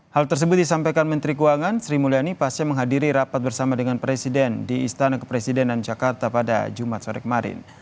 hal tersebut disampaikan menteri keuangan sri mulyani pasca menghadiri rapat bersama dengan presiden di istana kepresidenan jakarta pada jumat sore kemarin